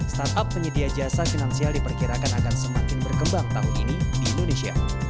startup penyedia jasa finansial diperkirakan akan semakin berkembang tahun ini di indonesia